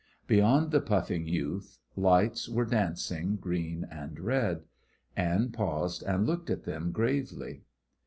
Beyond the puffing youth lights were dancing, green and red. Anne paused and looked at them gravely.